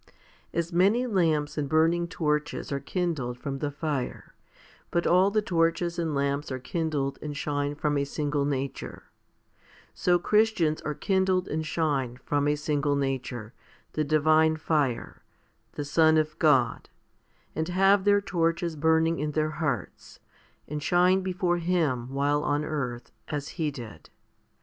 i. As many lamps and burning torches are kindled from the fire, but all the torches and lamps are kindled and shine from a single nature, so Christians are kindled and shine from a single nature, the divine fire, the Son of God, and have their torches burning in their hearts, and shine before Him while on earth, as He did.